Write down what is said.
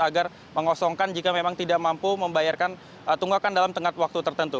agar mengosongkan jika memang tidak mampu membayarkan tunggakan dalam tengah waktu tertentu